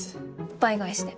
倍返しで。